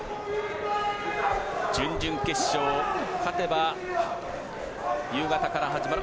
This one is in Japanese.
準々決勝勝てば夕方から始まる。